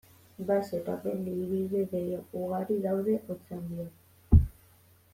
Baso eta mendi ibilbide ugari daude Otxandion.